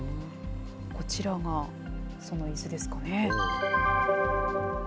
こちらがそのいすですかね。